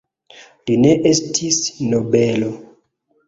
Li ne estis nobelo.